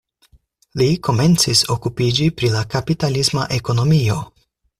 Li komencis okupiĝi pri la kapitalisma ekonomio.